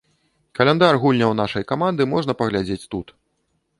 Каляндар гульняў нашай каманды можна паглядзець тут.